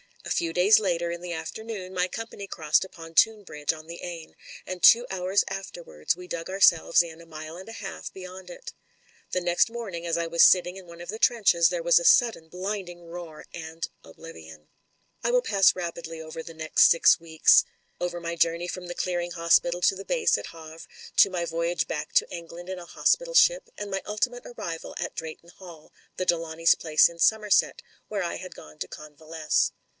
A few days later, in the afternoon, my company crossed a pontoon bridge on the Aisne, and two hours after wards we dug ourselves in a mile and a half beyond it. The next morning, as I was sitting in one of the trenches, there was a sudden, blinding roar — and oblivion. ••••• I will pass rapidly over the next six weeks — over my journey from the clearing hospital to the base at Havre, of my voyage back to England in a hospital ship, and my ultimate arrival at Drayton Hall, the Delawnays' place in Somerset, where I had gone to convalesce.